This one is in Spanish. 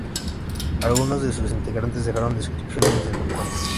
Algunos de sus integrantes dejaron descripciones del encuentro.